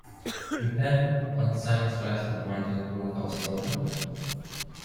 Le Pen und seinesgleichen wollen den Holocaust leugnen?